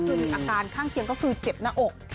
คือมีอาการข้างเคียงก็คือเจ็บหน้าอก